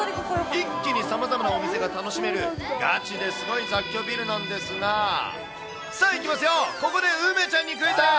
一気にさまざまなお店が楽しめるガチですごい雑居ビルなんですが、さあ、いきますよ、ここで梅ちゃんにクイズ。